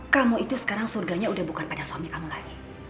kamu itu sekarang surganya udah bukan pada suami kamu lagi